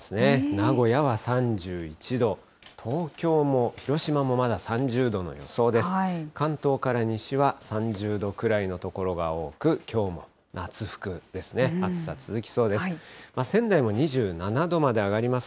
名古屋は３１度、東京も広島もまだ３０度の予想です。